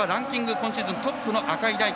今シーズントップの赤井大樹。